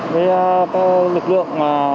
với các lực lượng